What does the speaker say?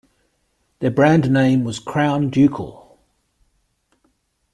Their brand name was Crown Ducal.